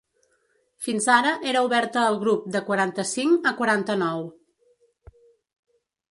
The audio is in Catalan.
Fins ara era oberta al grup de quaranta-cinc a quaranta-nou.